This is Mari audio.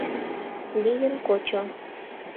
— Лийын кочо